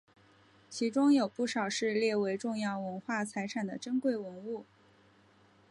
其中有不少是列为重要文化财产的珍贵文物。